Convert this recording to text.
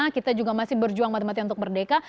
kita juga masih berjuang matematik untuk berdeka